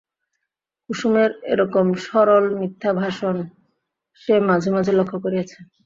কুসুমের এরকম সরল মিথ্যাভাষণ সে মাঝে মাঝে লক্ষ করিয়াছে।